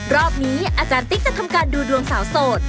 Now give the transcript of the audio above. รอบนี้อาจารย์ติ๊กจะทำการดูดวงสาวโสด